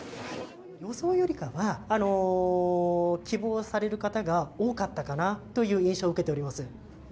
予想よりかは、希望される方が多かったかなという印象を受けております。